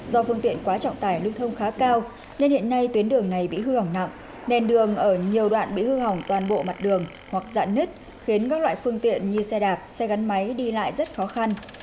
do phương tiện quá trọng tải lưu thông khá cao nên hiện nay tuyến đường này bị hư hỏng nặng nền đường ở nhiều đoạn bị hư hỏng toàn bộ mặt đường hoặc dạn nứt khiến các loại phương tiện như xe đạp xe gắn máy đi lại rất khó khăn